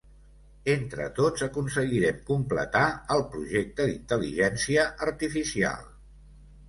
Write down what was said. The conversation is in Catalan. Entre tots aconseguirem completar el projecte d'intel.ligència artificial